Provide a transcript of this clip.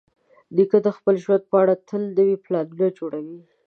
نیکه د خپل ژوند په اړه تل نوي پلانونه جوړوي.